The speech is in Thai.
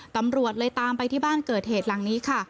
ตำรวจเลยตามไปที่บ้านเกิดเหตุหลังนี้ค่ะ